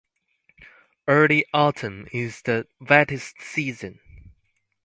Early autumn is the wettest season.